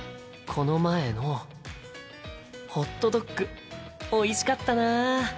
この前のホットドッグおいしかったな。